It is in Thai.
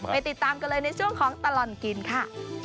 ติดตามกันเลยในช่วงของตลอดกินค่ะ